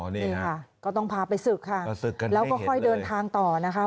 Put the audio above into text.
อ๋อนี่ค่ะประสุทธิ์กันให้เห็นเลยแล้วก็ค่อยเดินทางต่อนะคะ